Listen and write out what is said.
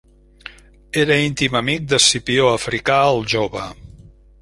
Era íntim amic d'Escipió Africà el Jove.